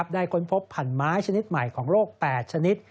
ค้นพบผันไม้ชนิดใหม่ของโลก๘ชนิด